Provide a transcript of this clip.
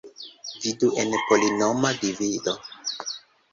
Vidu en polinoma divido.